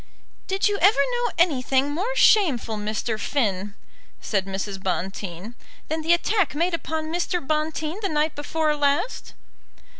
"Did you ever know anything more shameful, Mr. Finn," said Mrs. Bonteen, "than the attack made upon Mr. Bonteen the night before last?"